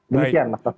demikian mas taufik